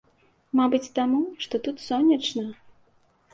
Мабыць таму, што тут сонечна.